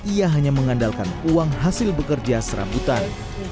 ia hanya mengandalkan uang hasil bekerja serabutan